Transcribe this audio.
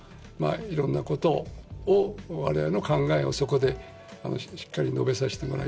いろんなことをわれわれの考えをそこでしっかり述べさせてもらい